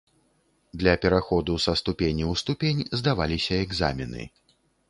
Для пераходу са ступені ў ступень здаваліся экзамены.